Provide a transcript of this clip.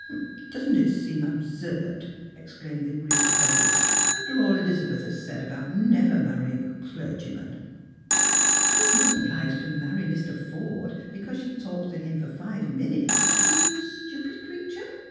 " Doesn't it seem absurd," exclaimed the aggrieved Frederick, " after all Elizabeth has said about never marrying a clergy man '>■" She is not obliged to marry Mr. Forde because she talks to him for five minutes, is she, you stupid creature